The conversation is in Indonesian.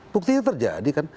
buktinya terjadi kan